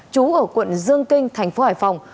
trú ở quận dương kinh thành phố hải phòng